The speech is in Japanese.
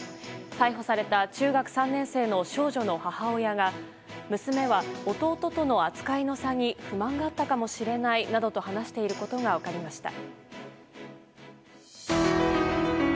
逮捕された中学３年の少女の母親が娘は弟との扱いの差に不満があったかもしれないと話していることが分かりました。